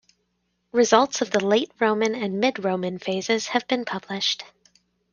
Results of the Late Roman and Mid Roman phases have been published.